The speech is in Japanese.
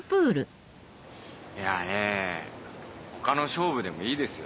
いやぁね他の勝負でもいいですよ。